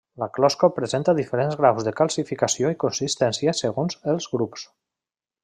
La closca presenta diferents graus de calcificació i consistència segons els grups.